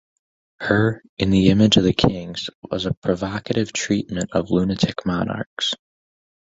Her "In the Image of Kings" was a provocative treatment of lunatic monarchs.